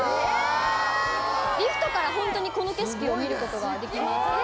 リフトからこの景色を見ることができます。